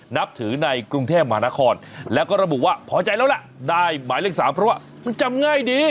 นับถือในกรุงเทพมหานครแล้วก็ระบุว่าพอใจแล้วล่ะได้หมายเลข๓เพราะว่ามันจำง่ายดี